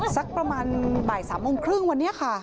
สักประมาณบ่าย๓โมงครึ่งวันนี้ค่ะ